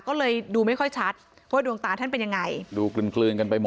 ก็เลยดูไม่ค่อยชัดว่าดวงตาท่านเป็นยังไงดูกลืนกันไปหมด